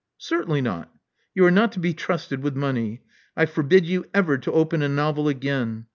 Certainly not. You are not to be trusted with money. I forbid you ever to open a novel again.